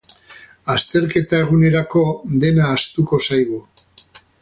Azterketa egunerako dena ahaztuko zaigu.